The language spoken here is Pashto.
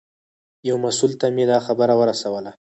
یو مسوول ته مې دا خبره ورسوله.